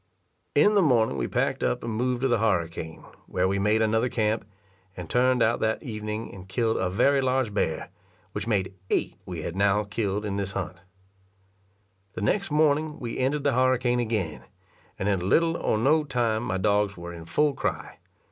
In the morning we packed up and moved to the harricane, where we made another camp, and turned out that evening and killed a very large bear, which made eight we had now killed in this hunt. The next morning we entered the harricane again, and in little or no time my dogs were in full cry.